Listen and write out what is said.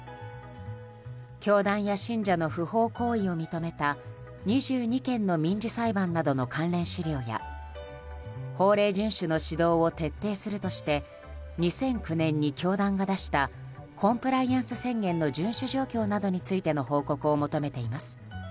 教団や信者の不法行為を認めた２２件の民事裁判などの関連資料や法令順守の指導を徹底するとして２００９年に教団が出したコンプライアンス宣言の順守状況などについての報告を求めています。